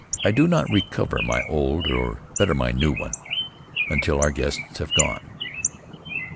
I do not recover my old, or, better, my new one, until our guests have gone.